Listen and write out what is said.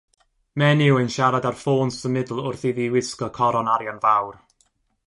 Menyw yn siarad ar ffôn symudol wrth iddi wisgo coron arian fawr.